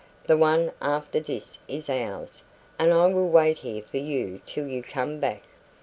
"The one after this is ours, and I will wait here for you till you come back.